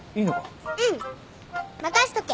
うん任せとけ。